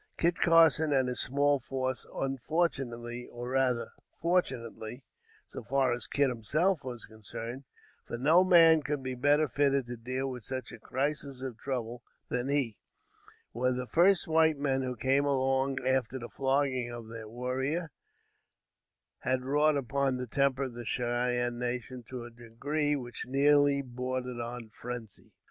Kit Carson and his small force, unfortunately, or rather, fortunately, so far as Kit himself was concerned, for no man could be better fitted to deal with such a crisis of trouble than he, were the first white men who came along after the flogging of their warrior had wrought up the temper of the Cheyenne nation to a degree which nearly bordered on frenzy.